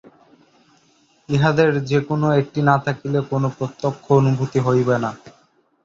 ইহাদের যে-কোন একটি না থাকিলে কোন প্রত্যক্ষ অনুভূতি হইবে না।